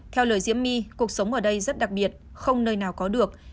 theo lời diễm my cuộc sống ở đây rất đặc biệt không nơi nào có được